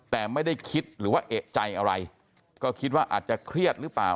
แต่ไม่ได้คิดหรือว่าเอกใจอะไรก็คิดว่าอาจจะเครียดหรือเปล่า